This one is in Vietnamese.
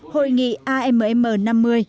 hội nghị amm năm mươi